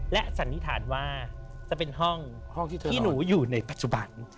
และสันนิษฐานว่าจะเป็นห้องที่เธอที่หนูอยู่ในปัจจุบัน